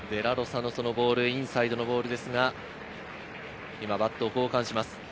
デラロサのボール、インサイドのボールですが、今、バットを交換します。